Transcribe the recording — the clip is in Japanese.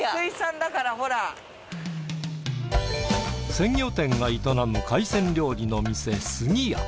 鮮魚店が営む海鮮料理の店すぎ屋。